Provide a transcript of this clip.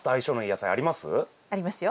ありますよ。